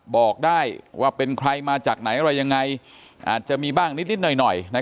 บอกได้ว่าเป็นใครมาจากไหนอะไรยังไงอาจจะมีบ้างนิดหน่อย